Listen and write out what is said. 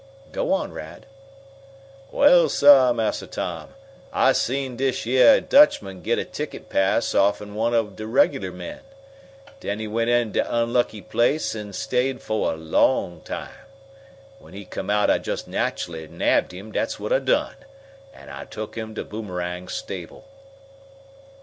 "Go on, Rad." "Well, sah, Massa Tom, I seen dish yeah Dutchman git a ticket pass offen one ob de reg'lar men. Den he went in de unlucky place an' stayed fo' a long time. When he come out I jest natchully nabbed him, dat's whut I done, an' I took him to Boomerang's stable."